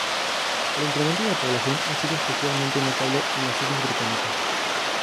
El incremento de la población ha sido especialmente notable en las islas Británicas.